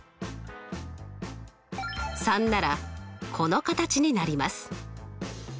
３ならこの形になります。